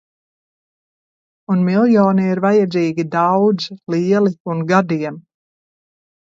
Un miljoni ir vajadzīgi daudz, lieli un gadiem...